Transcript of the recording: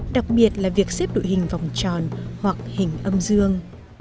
đặc biệt là việc xếp đội hình vòng tròn hoặc hình âm dương